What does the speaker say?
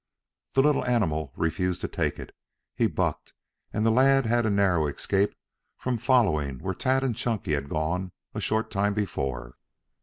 The little animal refused to take it. He bucked and the lad had a narrow escape from following where Tad and Chunky had gone a short time before.